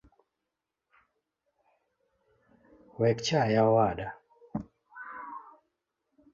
Wekchaya owada